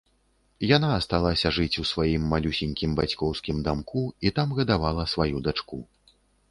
Яна асталася жыць у сваім малюсенькім бацькоўскім дамку і там гадавала сваю дачку.